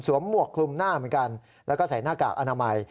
หมวกคลุมหน้าเหมือนกันแล้วก็ใส่หน้ากากอนามัย